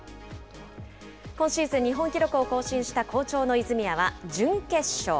今シーズン日本記録を更新した好調の泉谷は準決勝。